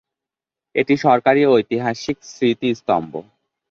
এটি সরকারী ঐতিহাসিক স্মৃতিস্তম্ভ।